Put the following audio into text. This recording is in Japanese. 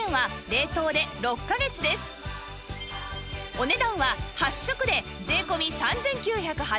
お値段は８食で税込３９８０円